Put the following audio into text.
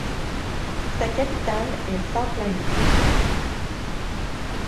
Sa capitale est Fort-Lamy.